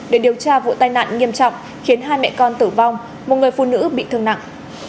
để điều tra vụ tai nạn nghiêm trọng khiến hai mẹ con tử vong một người phụ nữ bị thương nặng